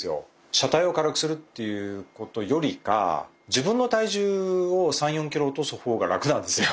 車体を軽くするっていうことよりか自分の体重を３４キロ落とす方が楽なんですよ。